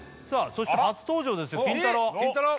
そして初登場ですよキンタロー。